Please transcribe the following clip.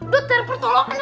dot terima pertolongan